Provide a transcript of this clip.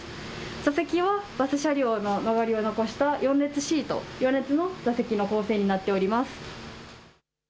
座席は、バス車両の周りを残した４列シート、４列の座席の構成になっております。